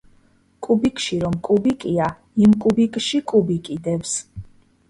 კუბიკში რომ კუბიკია, იმ კუბიკში კუბიკი დევს.